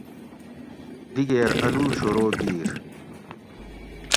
دِگیر الو شروع کِیر